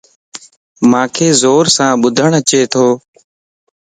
مانک زورسين ٻڌن اچيتو